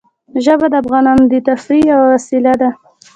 ژبې د افغانانو د تفریح یوه وسیله ده.